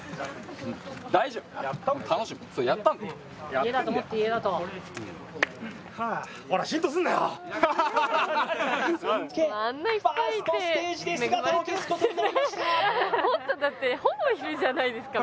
大丈夫、やったんだから。